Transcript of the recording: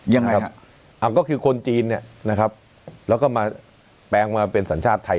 ยังไงครับก็คือคนจีนเนี่ยนะครับแล้วก็มาแปลงมาเป็นสัญชาติไทย